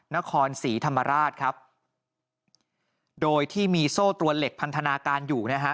นครศรีธรรมราชครับโดยที่มีโซ่ตรวนเหล็กพันธนาการอยู่นะฮะ